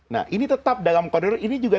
nah ini tetap dalam koridor ini juga